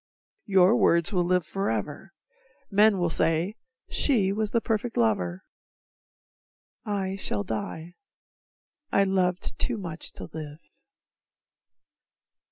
Your words will live forever, men will say "She was the perfect lover" I shall die, I loved too much to live.